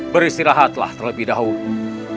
beristirahatlah terlebih dahulu